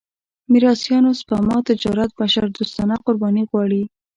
میراثيانو سپما تجارت بشردوستانه قرباني غواړي.